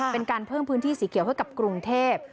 เป็นการเพิ่มพื้นที่สีเขียวให้กับกรุงเทพ